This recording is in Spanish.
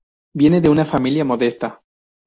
Viene de una familia modesta.